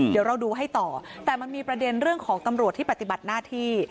เดี๋ยวเราดูให้ต่อแต่มันมีประเด็นเรื่องของตำรวจที่ปฏิบัติหน้าที่